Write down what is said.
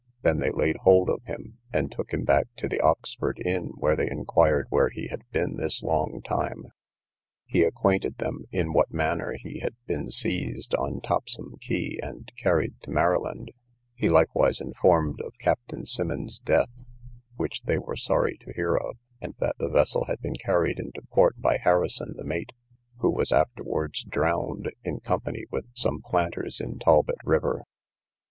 They then laid hold of him, and took him back to the Oxford Inn, where they inquired where he had been this long time. He acquainted them in what manner he had been seized, on Topsham quay, and carried to Maryland; he likewise informed of Captain Simmonds's death, (which they were sorry to hear of,) and that the vessel had been carried into port by Harrison, the mate, who was afterwards drowned, in company with some planters, in Talbot river.